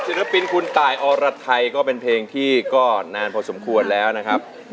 ศิลปินคุณตายอรไทยก็เป็นเพลงที่ก็นานพอสมควรแล้วนะครับ